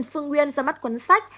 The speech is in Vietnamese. trần phương nguyên ra mắt cuốn sách